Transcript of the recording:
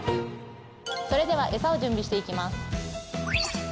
それでは餌を準備していきます